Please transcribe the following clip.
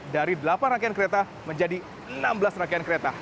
dari delapan rangkaian kereta menjadi enam belas rangkaian kereta